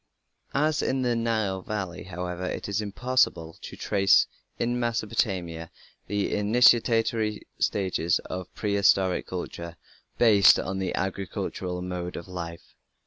As in the Nile Valley, however, it is impossible to trace in Mesopotamia the initiatory stages of prehistoric culture based on the agricultural mode of life.